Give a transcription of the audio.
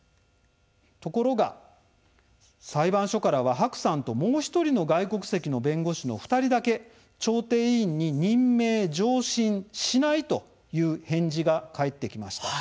ところが裁判所からは白さんと、もう１人の外国籍の弁護士の２人だけ調停委員に任命、上申しないという返事が返ってきました。